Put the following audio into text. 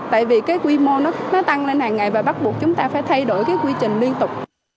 tại vì cái quy mô nó tăng lên hàng ngày và bắt buộc chúng ta phải thay đổi cái quy trình liên tục